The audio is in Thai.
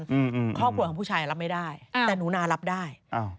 เพื่อนเพื่อนกันครอบครัวของผู้ชายรับไม่ได้แต่หนูนารับได้